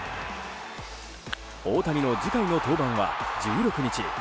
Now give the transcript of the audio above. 大谷の次回の登板は１６日。